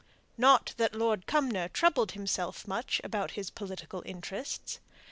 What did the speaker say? Not that Lord Cumnor troubled himself much about his political interests.